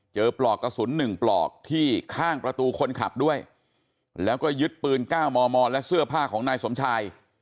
ปลอกกระสุน๑ปลอกที่ข้างประตูคนขับด้วยแล้วก็ยึดปืน๙มมและเสื้อผ้าของนายสมชาย